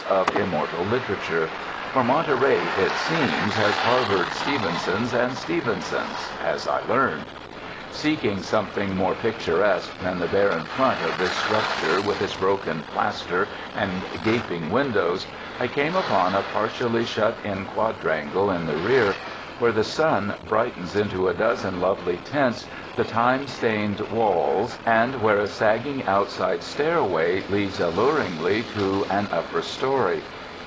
of immortal literature; for Monterey, it seems, has har))ored Stevensons and Stevensons, as I learned. Seeking something more picturesque than the barren front of this structure with its broken plaster and gaping win dows, I come upon a partially shut in quadrangle in the rear where the sun brightens into a dozen lovely tints the time stained walls, and where a sag ging outside stairway leads alluringly to an upper 228 TOURIST TOWNS story.